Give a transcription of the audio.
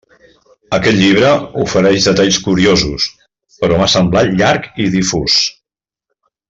Aquest llibre ofereix detalls curiosos, però m'ha semblat llarg i difús.